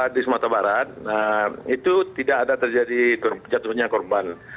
di sumatera barat itu tidak ada terjadi jatuhnya korban